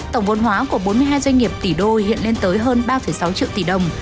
tổng vốn hóa của bốn mươi hai doanh nghiệp tỷ đô hiện lên tới hơn ba sáu triệu tỷ đồng